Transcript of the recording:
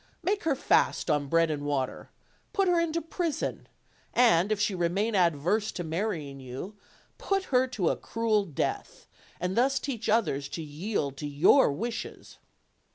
Make her fast on bread and water; put her into prison and, if she re main adverse to marrying you, put her to a cruel death, and thus teach others to yield to your wishes.